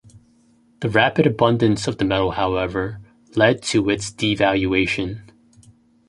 The rapid abundance of the metal, however, led to its devaluation.